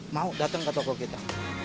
mau datang ke toko kita